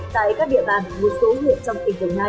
tại các địa bàn một số huyện trong tỉnh đồng nai